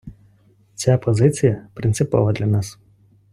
Ця позиція принципова для нас.